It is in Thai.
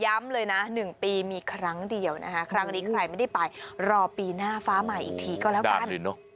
ย้ำเลยนะ๑ปีจะมีครั้งเดียวใครไม่ได้ไปรอปีหน้าฟ้าใหม่อีกทีก็แล้วกัน